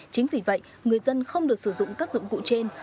chính vì vậy người dân không được sử dụng các dụng cụ trên